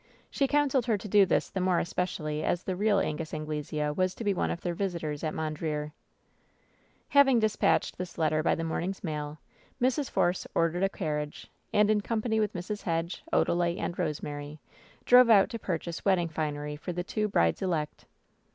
She counseled her to do this the more especially as the real Angus Anglesea was to be one of their visitors at Mon dreer. Having dispatched this letter by the morning's mail^ Mrs. Force ordered a carriage, and in company with Mrs. Hedge, Odalite and Rosemary, drove out to pur chase wedding finery for the two brides elect.